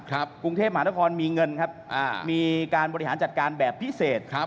กรุงเทพมหาละครมีเงินมีการบริหารจัดการแบบพิเศษ